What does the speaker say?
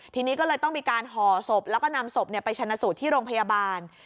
ทีนี้ก็เลยต้องมีการห่อศพแล้วก็นำศพไปชนะสูตรที่โรงพยาบาล